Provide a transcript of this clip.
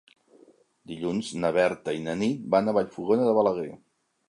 Dilluns na Berta i na Nit van a Vallfogona de Balaguer.